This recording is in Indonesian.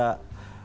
iya ini buat